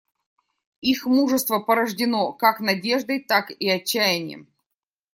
Их мужество порождено как надеждой, так и отчаянием.